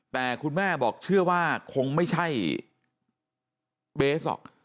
แต่คุณแม่บอกเชื่อว่าคงไม่ใช่เบสหรอก